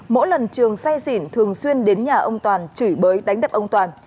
mỗi lần trường say xỉn thường xuyên đến nhà ông toàn chửi bới đánh đập ông toàn